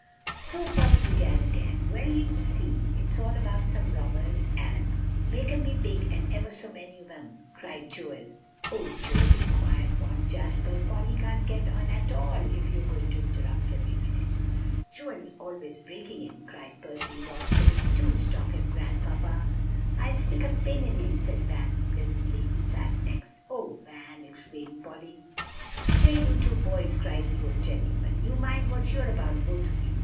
So Polly began again. "Well, you see, it's all about some robbers, and" "Make 'em be big, and ever so many of them," cried Joel. "Oh, Joe, be quiet!" warned Jasper. "Polly can't get on at all if you are going to interrupt every minute." "Joel's always breaking in," cried Percy wrathfully. "Do stop him, Grandpapa." "I'll stick a pin in him," said Van pleasantly, who sat next. "O Van!" exclaimed Polly. "Here, you two boys," cried the old gentleman, "you mind what you're about, both of you.